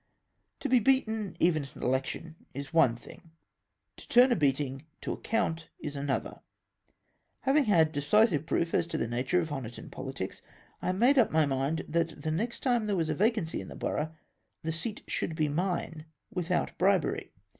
To be beaten, even at an election, is one thing ; to turn a beatino; to account is another. Havinof had decisive proof as to the nature of Honiton pohtics, I made up my mind that the next time there was a va cancy in the borough, the seat should be mme without bribery.